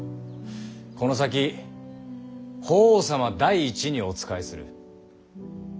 この先法皇様第一にお仕えする。